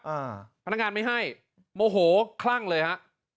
อ่าพนักงานไม่ให้โมโหคลั่งเลยฮะ